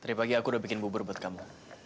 tadi pagi aku udah bikin bubur buat kamu